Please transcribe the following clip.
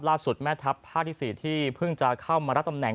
แม่ทัพภาคที่๔ที่เพิ่งจะเข้ามารับตำแหน